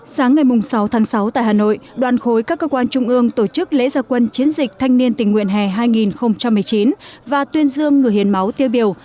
sáng ngày sáu tháng sáu tại hà nội đoàn khối các cơ quan trung ương tổ chức lễ gia quân chiến dịch thanh niên tình nguyện hè hai nghìn một mươi chín và tuyên dương người hiến máu tiêu biểu